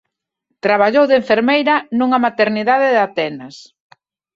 Traballou de enfermeira nunha maternidade de Atenas.